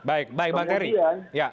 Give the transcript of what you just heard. baik pak terry